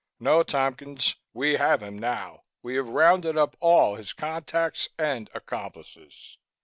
No, Tompkins, we have him now. We have rounded up all his contacts and accomplices."